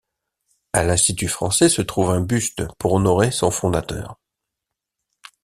À l'Institut français se trouve un buste pour honorer son fondateur.